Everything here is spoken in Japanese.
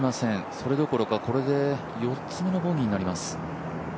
それどころか、これで４つ目のボギーになります。